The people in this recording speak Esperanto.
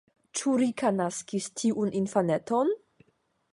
Ĉu Rika naskis tiun infaneton?